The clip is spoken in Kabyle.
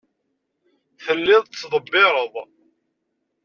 Telliḍ tettḍebbireḍ.